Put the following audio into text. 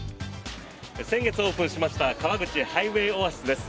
先月オープンしました川口ハイウェイオアシスです。